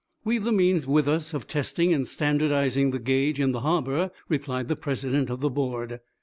"We've the means with us of testing and standardizing the gauge in the harbor," replied the president of the board.